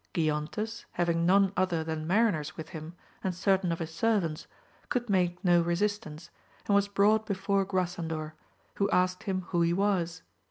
Gion tes having none other than mariners with him, and certain of his servants, could make no resistance, and was brought before Grasandor ; who asked him who he was